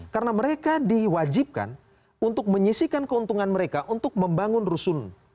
karena mereka diwajibkan untuk menyisikan keuntungan mereka untuk membangun rusun